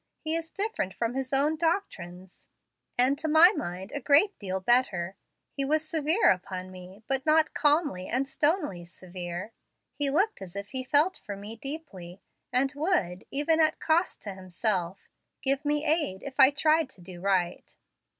He is different from his own doctrines, and to my mind a great deal better. He was severe upon me, but not calmly and stonily severe. He looked as if he felt for me deeply, and would, even at cost to himself, give me aid if I tried to do right.